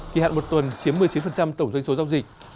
kỳ hạn một tuần chiếm một mươi chín tổng doanh số giao dịch